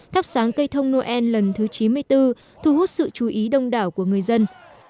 thắp sáng cây thông noel lần thứ chín mươi bốn thu hút sự chú ý đông đảo của người dân